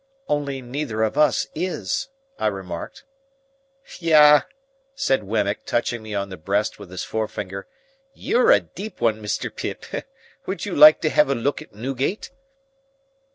"Only neither of us is," I remarked. "Yah!" said Wemmick, touching me on the breast with his forefinger; "you're a deep one, Mr. Pip! Would you like to have a look at Newgate?